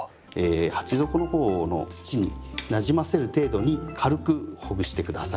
鉢底の方の土になじませる程度に軽くほぐして下さい。